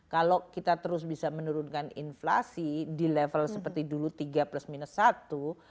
kalau kita terus bisa menurunkan inflasi di level seperti dulu tiga plus minus satu